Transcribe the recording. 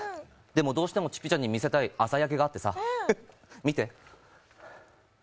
でもどうしてもちぴちゃんに見せたい朝焼けがあってさ見て。